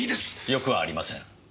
よくありません。